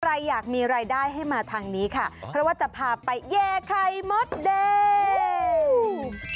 ใครอยากมีรายได้ให้มาทางนี้ค่ะเพราะว่าจะพาไปแย่ไข่มดแดง